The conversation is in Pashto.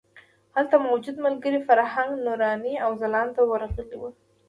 هلته موجود ملګري فرهنګ، نوراني او ځلاند ورغلي وو.